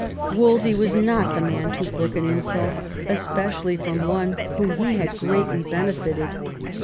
Wolsey was not the man to brook an insult, especially from one whom he had greatly benefited.